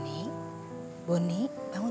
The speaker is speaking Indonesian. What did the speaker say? tapi kita tak pernah selalu quail